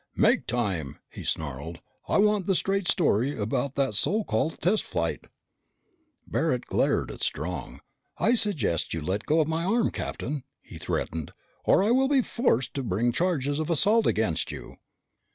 "Make time!" he snarled. "I want the straight story about that so called test flight!" Barret glared at Strong. "I suggest that you let go of my arm, Captain," he threatened, "or I will be forced to bring charges of assault against you!"